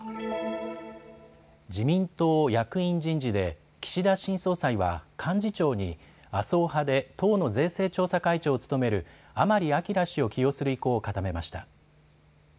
自民党役員人事で岸田新総裁は幹事長に麻生派で党の税制調査会長を務める甘利明氏を起用する意向を固めました。